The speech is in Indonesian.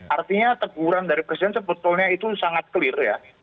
artinya teguran dari presiden sebetulnya itu sangat clear ya